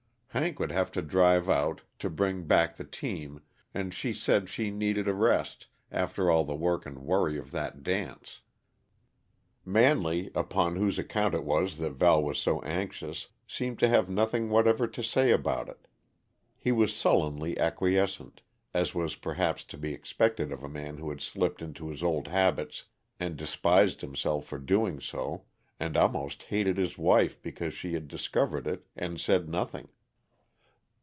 Hank would have to drive out, to bring back the team, and she said she needed a rest, after all the work and worry of that dance. Manley, upon whose account it was that Val was so anxious, seemed to have nothing whatever to say about it. He was sullenly acquiescent as was perhaps to be expected of a man who had slipped into his old habits and despised himself for doing so, and almost hated his wife because she had discovered it and said nothing.